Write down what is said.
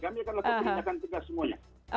kami akan lakukan penindakan tegas semuanya